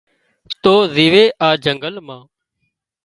تون زيوي آ جنگل مان